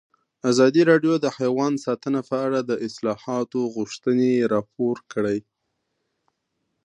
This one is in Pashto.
ازادي راډیو د حیوان ساتنه په اړه د اصلاحاتو غوښتنې راپور کړې.